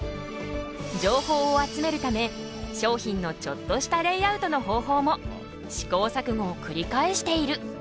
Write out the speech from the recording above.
情報を集めるため商品のちょっとしたレイアウトの方法も試行錯誤を繰り返している。